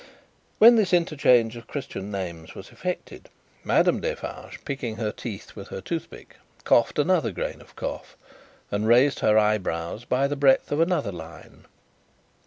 When this interchange of Christian name was effected, Madame Defarge, picking her teeth with her toothpick, coughed another grain of cough, and raised her eyebrows by the breadth of another line.